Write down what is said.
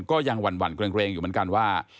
ก็ยังหวั่นเกร็งอยู่เหมือนกันว่า